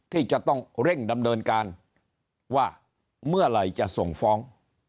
ที่จะต้องเร่งดำเนินการว่าเมื่อไหร่จะส่งฟ้อง